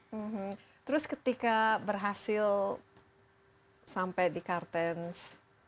hmm terus ketika berhasil sampai di kartens